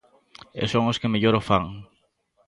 E son os que mellor o fan.